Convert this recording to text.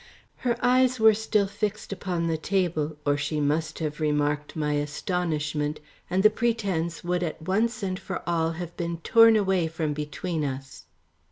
Her eyes were still fixed upon the table, or she must have remarked my astonishment and the pretence would at once and for all have been torn away from between us.